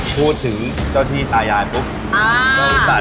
คือเทค๒